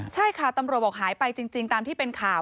ใช่ค่ะตำรวจบอกหายไปจริงตามที่เป็นข่าว